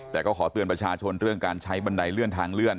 แต่ก็ขอเตือนประชาชนเรื่องการใช้บันไดเลื่อนทางเลื่อน